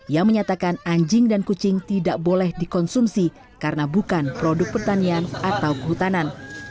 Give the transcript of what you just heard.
yang menyebutkan bahwa kucing dan anjing tidak boleh dikonsumsi karena bukan produk pertanian atau kehutanan